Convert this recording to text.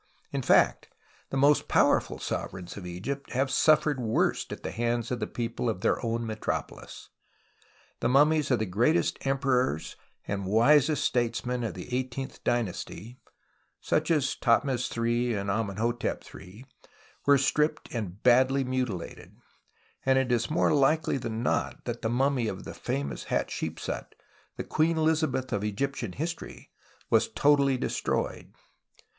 In fact, the most ])owerful sovereigns of Egypt have suffered worst at the hands of the people of their own metropolis. The mummies of the greatest emperors and wisest THE ETHICS OF DESECRATION 127 statesmen of the eighteenth dynasty, sucli as Thothmes III and Amenhotep III, were stripped and badly mutilated ; and it is more likely than not that the mummy of the famous Hatshepsut, the Queen Elizabeth of Egyptian history, was totally destroyed.